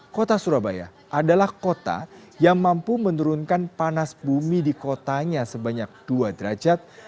kota surabaya adalah kota yang mampu menurunkan panas bumi di kotanya sebanyak dua derajat